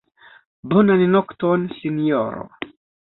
Bonan nokton, sinjoro.